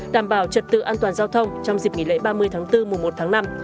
đảm bảo trật tự an toàn giao thông trong dịp nghỉ lễ ba mươi tháng bốn mùa một tháng năm